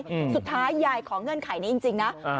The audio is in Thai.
อืมสุดท้ายยายขอเงื่อนไขนี้จริงจริงนะอ่า